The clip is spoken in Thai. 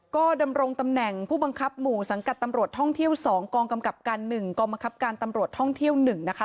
ก็ดำรงตำแหน่งผู้บังคับหมู่สังกัดตำรวจท่องเที่ยว๒กองกำกับการ๑กองบังคับการตำรวจท่องเที่ยว๑นะคะ